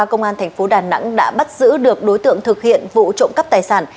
công an tp đà nẵng đã bắt giữ được đối tượng thực hiện vụ trộm cắp tài sản